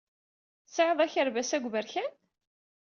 Tesɛid akerbas-a deg uberkan?